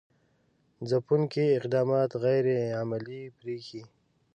ځپونکي اقدامات غیر عملي برېښي.